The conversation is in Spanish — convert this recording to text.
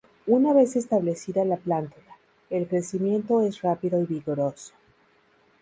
Una vez establecida la plántula, el crecimiento es rápido y vigoroso.